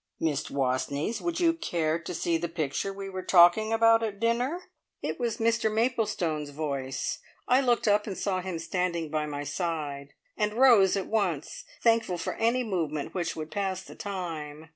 "Miss Wastneys, would you care to see the picture we were talking about at dinner?" It was Mr Maplestone's voice. I looked up and saw him standing by my side, and rose at once, thankful for any movement which would pass the time.